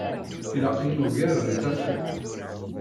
Ilaq-iyi ugar n tafat.